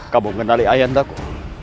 kamu mengenali ayah entahku